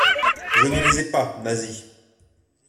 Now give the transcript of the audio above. Je ne les ai pas, Nasie.